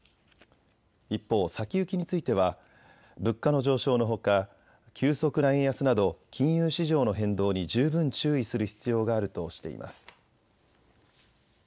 一方、先行きについては物価の上昇のほか急速な円安など金融市場の変動に十分注意する必要があるとしています。